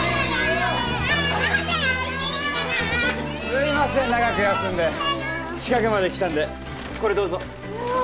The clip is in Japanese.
すいません長く休んで近くまで来たんでこれどうぞうわ